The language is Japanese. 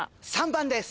３番です。